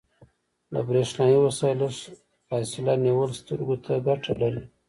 له بریښنایي وسایلو لږه فاصله نیول سترګو ته ګټه لري.